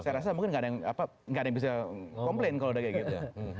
saya rasa mungkin nggak ada yang bisa komplain kalau udah kayak gitu